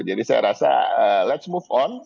jadi saya rasa let s move on